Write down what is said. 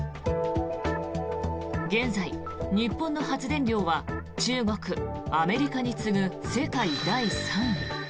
現在、日本の発電量は中国、アメリカに次ぐ世界第３位。